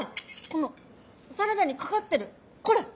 このサラダにかかってるこれ。